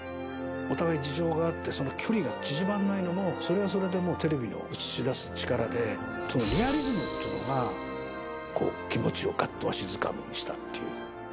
お互い事情があって、その距離が縮まらないのも、それはそれでもうテレビの映し出す力で、リアリズムっていうのが気持ちをがっとわしづかみにしたっていう。